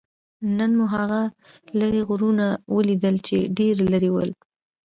نن مو هغه لرې غرونه ولیدل؟ چې ډېر لرې ول.